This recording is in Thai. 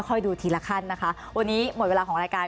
ดูทีละขั้นนะคะวันนี้หมดเวลาของรายการ